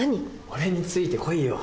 俺についてこいよ。